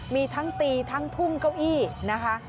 มีทั้งตีทั้งทุ่มเก้าอี้นะคะ